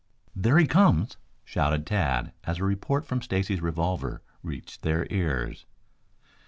"There he comes," shouted Tad as a report from Stacy's revolver reached their ears.